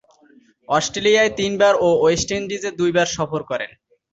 অস্ট্রেলিয়ায় তিনবার ও ওয়েস্ট ইন্ডিজে দুইবার সফর করেন।